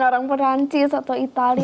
orang perancis atau itali